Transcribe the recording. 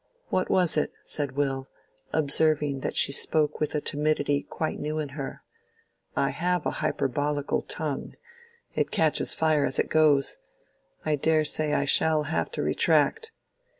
"What was it?" said Will, observing that she spoke with a timidity quite new in her. "I have a hyperbolical tongue: it catches fire as it goes. I dare say I shall have to retract."